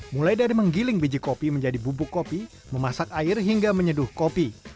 mulai dari menggiling biji kopi menjadi bubuk kopi memasak air hingga menyeduh kopi